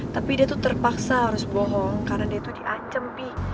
tapi dia tuh terpaksa harus bohong karena dia tuh diancam sih